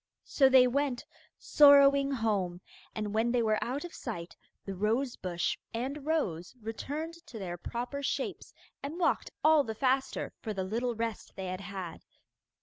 So they went sorrowing home, and when they were out of sight the rose bush and rose returned to their proper shapes and walked all the faster for the little rest they had had.